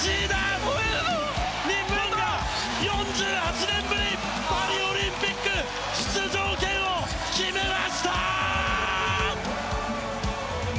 日本が４８年ぶりパリオリンピック出場権を決めました！